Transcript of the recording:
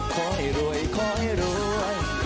ขอให้รวยขอให้รวย